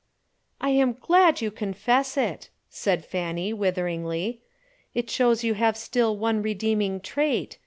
"I am glad you confess it," said Fanny, witheringly. "It shows you have still one redeeming trait.